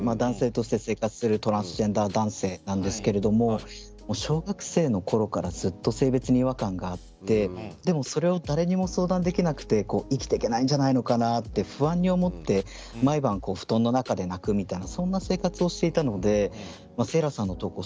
というのも小学生の頃からずっと性別に違和感があってでもそれを誰にも相談できなくて生きてけないんじゃないのかなって不安に思って毎晩布団の中で泣くみたいなそんな生活をしていたのでせいらさんの投稿